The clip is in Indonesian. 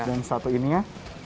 dan satu ininya sepuluh